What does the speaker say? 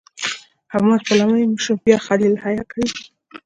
د حماس پلاوي مشري بیا خلیل الحية کوي.